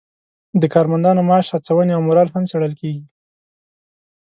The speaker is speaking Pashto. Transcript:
د کارمندانو معاش، هڅونې او مورال هم څیړل کیږي.